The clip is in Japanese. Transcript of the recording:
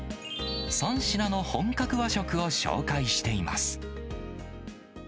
３品の本格和食を紹介しています。